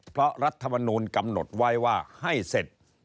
เพราะรัฐมนูลกำหนดไว้ว่าให้เสร็จ